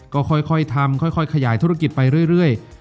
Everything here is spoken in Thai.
ก็ค่อยทำค่อยขยายธุรกิจไปเรื่อย